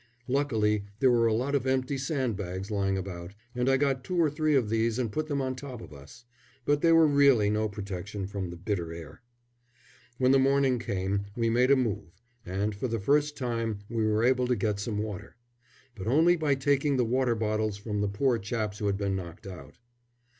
Luckily there were a lot of empty sandbags lying about, and I got two or three of these and put them on top of us; but they were really no protection from the bitter air. When the morning came we made a move, and for the first time we were able to get some water; but only by taking the water bottles from the poor chaps who had been knocked out.